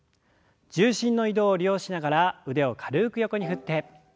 重心の移動を利用しながら腕を軽く横に振って。